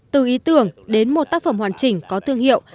từ ý tưởng đến một tác phẩm hoàn chỉnh có thương hiệu